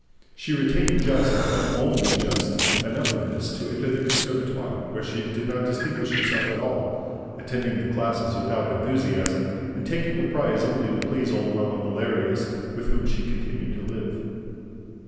She retained just, but only just, enough of this to enter the CONSERVATOIRE, where she did not distinguish herself at all, attending the classes without enthusiasm and taking a prize only to please old Mamma Valerius, with whom she continued to live.